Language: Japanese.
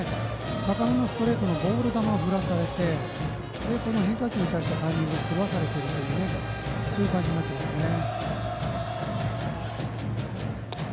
高めのストレートのボール球を振らされて変化球に対してタイミングを狂わされているというそういう感じになっていますね。